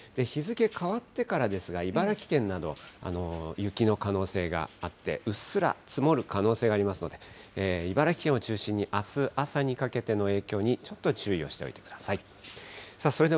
日付変わってからですが、茨城県など雪の可能性があって、うっすら積もる可能性がありますので、茨城県を中心に、あす朝にかけての影響にちょっと注意をしておいてください。